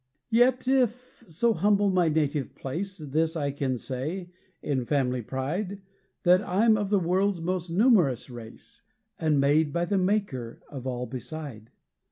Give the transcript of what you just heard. Yet, if so humble my native place, This I can say, in family pride That I'm of the world's most numerous race, And made by the Maker of all beside.